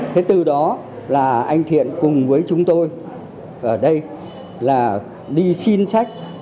thế từ đó là anh thiện cùng với chúng tôi ở đây là đi xin sách